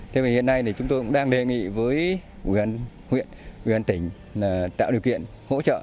theo mình hiện nay chúng tôi cũng đang đề nghị với huyện huyện tỉnh tạo điều kiện hỗ trợ